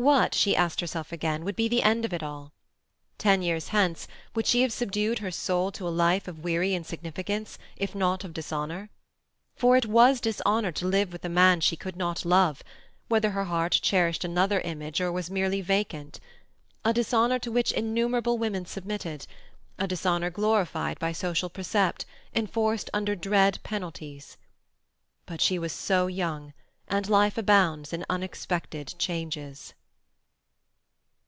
What, she asked herself again, would be the end of it all? Ten years hence, would she have subdued her soul to a life of weary insignificance, if not of dishonour? For it was dishonour to live with a man she could not love, whether her heart cherished another image or was merely vacant. A dishonour to which innumerable women submitted, a dishonour glorified by social precept, enforced under dread penalties. But she was so young, and life abounds in unexpected changes.